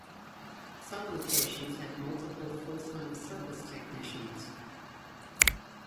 Some locations had multiple full-time service technicians.